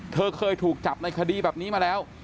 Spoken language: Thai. เธอเคยถูกจับในคดีแบบนี้มาแล้ว